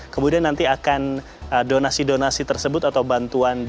kemudian nanti akan donasi donasi tersebut atau bantuan